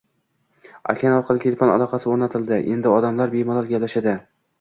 Okean orqali telefon aloqasi o’rnatildi, endi odamlar bemalol gaplashadi.